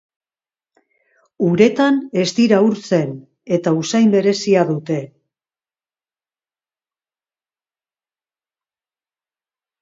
Uretan ez dira urtzen, eta usain berezia dute.